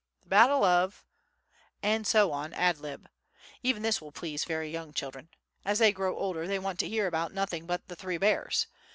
The battle of ... And so on ad lib. Even this will please very young children. As they grow older they want to hear about nothing but "The Three Bears."